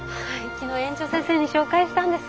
昨日園長先生に紹介したんです。